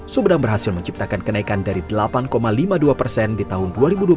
sumedang berhasil menciptakan kenaikan dari delapan lima puluh dua persen di tahun dua ribu dua puluh satu